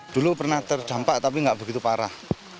dulu pernah terdampak tapi tidak begitu parah